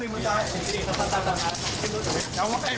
พี่โอ๊ยคุณผู้ชมนี่